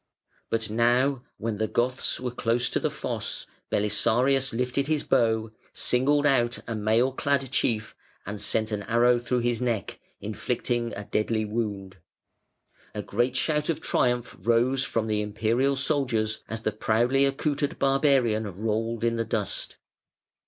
But now when the Goths were close to the fosse, Belisarius lifted his bow, singled out a mail clad chief, and sent an arrow through his neck, inflicting a deadly wound. A great shout of triumph rose from the Imperial soldiers as the proudly accoutred barbarian rolled in the dust.